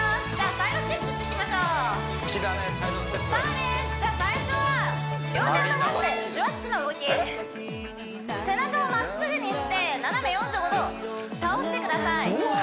サイドステップじゃあ最初は両手を伸ばしてシュワッチの動き背中をまっすぐにして斜め４５度倒してください